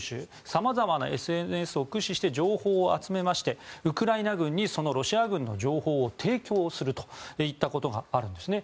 様々なＳＮＳを駆使して情報を集めましてウクライナ軍にそのロシア軍の情報を提供するといったことがあるんですね。